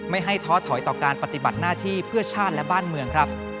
ไม่ให้ท้อถอยต่อการปฏิบัติหน้าที่เพื่อชาติและบ้านเมืองครับ